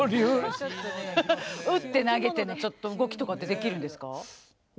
打って投げてのちょっと動きとかってできるんですか？